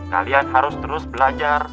kalian harus terus belajar